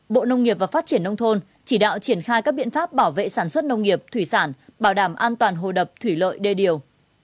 bộ nông nghiệp và phát triển nông thôn chỉ đạo triển khai các biện pháp bảo vệ sản xuất nông nghiệp thủy sản bảo đảm an toàn hồ đập thủy lợi đê điều